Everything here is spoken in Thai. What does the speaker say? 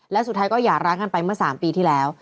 และสุดท้ายก็หย่าร้างกันไปเมื่อ๓ปีที่แล้ว